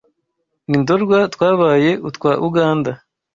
ni Ndorwa twabaye utwa Uganda,